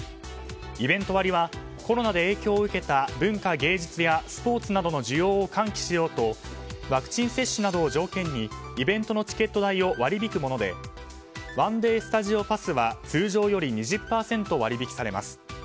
イベント割はコロナで影響を受けた文化芸術やスポーツなどの需要を喚起しようとワクチン接種などを条件にイベントのチケット代を割り引くもので１デイ・スタジオ・パスは通常より２０％割引されます。